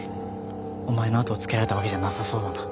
お前のあとをつけられたわけじゃなさそうだな。